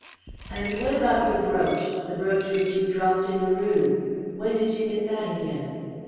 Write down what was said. "And what about your brooch the brooch which you dropped in the room. When did you get that again?"